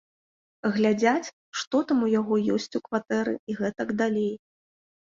Глядзяць, што там у яго ёсць у кватэры, і гэтак далей.